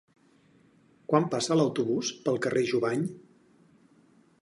Quan passa l'autobús pel carrer Jubany?